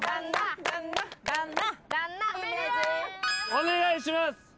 お願いします。